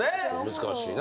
難しいな。